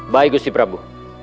baik gusti prabu